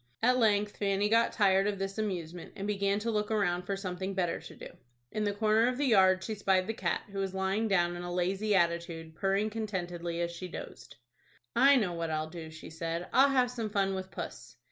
At length Fanny got tired of this amusement, and began to look around for something better to do. In the corner of the yard she spied the cat, who was lying down in a lazy attitude, purring contentedly as she dozed. "I know what I'll do," she said; "I'll have some fun with puss."